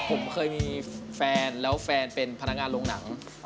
ผมเคยมีแฟนแล้วแฟนเป็นพนักงานโรงหนัง